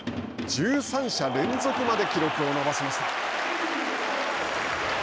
１３者連続まで記録を伸ばしました。